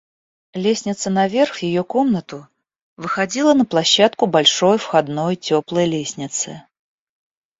Лестница наверх в ее комнату выходила на площадку большой входной теплой лестницы.